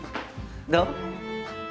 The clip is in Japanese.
どう？